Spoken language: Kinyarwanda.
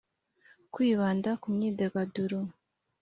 kwibanda ku myidagaduro